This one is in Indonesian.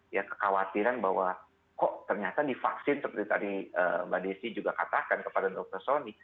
ya kekhawatiran bahwa kok ternyata divaksin seperti tadi mbak desi juga katakan kepada dr sony